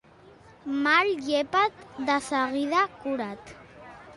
Mal llepat, de seguida curat.